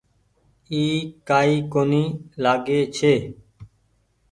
اي ڪآئي ڪونيٚ لآگي ڇي۔